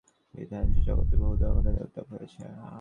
ইহা ভগবানেরই এক মহিমময় বিধান যে, জগতে বহু ধর্মমতের উদ্ভব হইয়াছে।